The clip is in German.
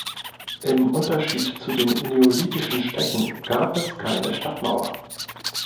Im Unterschied zu den neolithischen Städten gab es keine Stadtmauer.